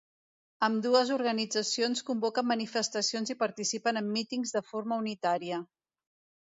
Ambdues organitzacions convoquen manifestacions i participen en mítings de forma unitària.